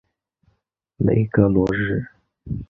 雷格罗日。